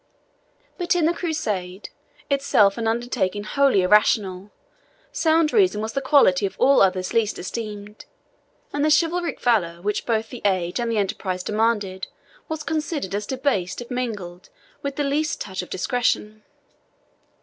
But in the Crusade, itself an undertaking wholly irrational, sound reason was the quality of all others least estimated, and the chivalric valour which both the age and the enterprise demanded was considered as debased if mingled with the least touch of discretion.